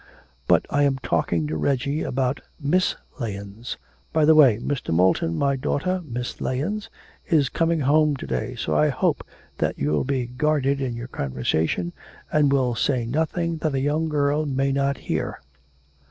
But I am talking to Reggie about Miss Lahens. By the way, Mr. Moulton, my daughter, Miss Lahens, is coming home to day, so I hope that you'll be guarded in your conversation, and will say nothing that a young girl may not hear.'